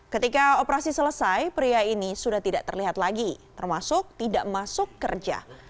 ketika operasi selesai pria ini sudah tidak terlihat lagi termasuk tidak masuk kerja